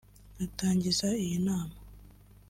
Atangiza iyi nama